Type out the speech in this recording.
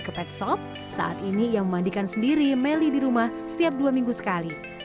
ke pedsop saat ini ia memandikan sendiri melly di rumah setiap dua minggu sekali